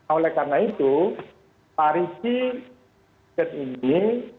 oleh karena itu tarik kit ini